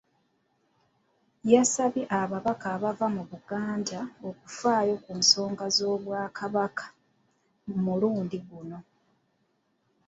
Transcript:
Yasabye ababaka abava mu Buganda okufaayo ku nsonga z’Obwakabaka omulundi guno.